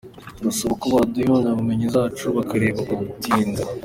Turasaba ko baduha impamyabumenyi zacu bakareka kudutinza”.